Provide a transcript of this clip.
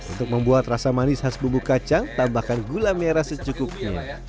untuk membuat rasa manis khas bubuk kacang tambahkan gula merah secukupnya